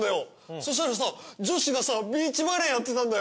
そしたらさ女子がさビーチバレーやってたんだよ。